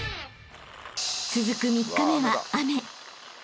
［続く３日目は雨］